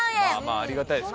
まあありがたいです